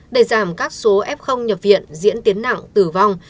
để giảm các số f nhập viện diễn tiến nặng tử vong